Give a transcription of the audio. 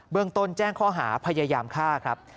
เมืองต้นแจ้งข้อหาพยายามฆ่าครับ